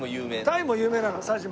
タイも有名なの佐島。